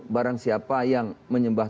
barang siapa yang menyembah